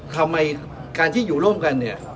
ทำไมการที่อยู่ร่วมกันเนี่ย